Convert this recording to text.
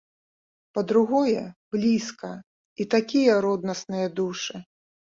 Па-другое, блізка, і такія роднасныя душы!